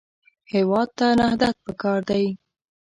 هېواد ته نهضت پکار دی